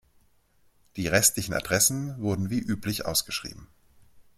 Die restlichen Adressen wurden wie üblich ausgeschrieben.